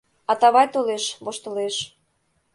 Атавай толеш, воштылеш.